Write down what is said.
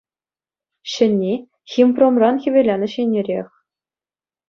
Ҫӗнни – «Химпромран» хӗвеланӑҫ еннерех.